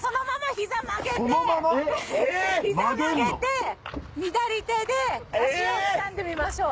膝曲げて左手で足をつかんでみましょう。